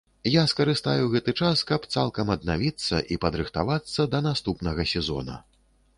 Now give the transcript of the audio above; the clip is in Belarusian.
Я скарыстаю гэты час, каб цалкам аднавіцца і падрыхтавацца да наступнага сезона.